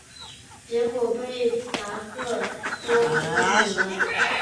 结果被达克托阻止了。